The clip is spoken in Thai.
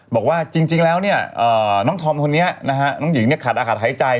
บอกว่าจริงแล้วเนี่ยน้องธอมคนนี้นะฮะน้องหญิงขาดอากาศหายใจ